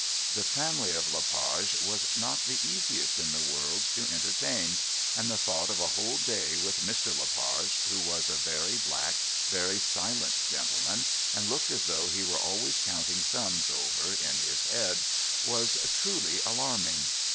The family of Le Page was not the easiest in the world to entertain, and the thought of a whole day with Mr. Le Page, who was a very black, very silent gentleman and looked as though he were always counting sums over in his head, was truly alarming.